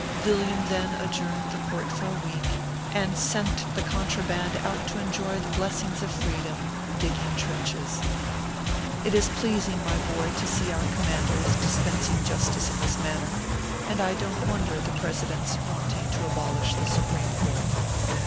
Villiam then adjourned the court for a week, and sent the contra band out to enjoy the blessings of freedom, digging trenches. It is pleasing, my boy, to see our commanders dis pensing justice in this manner ; and I don t wonder at the President s wanting to abolish the Supreme Court.